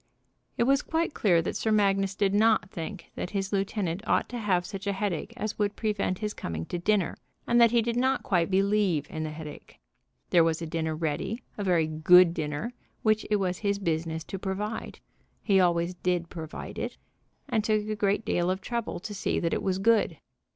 It was quite clear that Sir Magnus did not think that his lieutenant ought to have such a headache as would prevent his coming to dinner, and that he did not quite believe in the headache. There was a dinner ready, a very good dinner, which it was his business to provide. He always did provide it, and took a great deal of trouble to see that it was good.